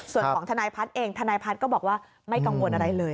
ส่วนของทนายพัฒน์เองทนายพัฒน์ก็บอกว่าไม่กังวลอะไรเลย